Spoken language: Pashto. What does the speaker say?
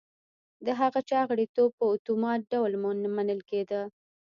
د هغه چا غړیتوب په اتومات ډول منل کېده.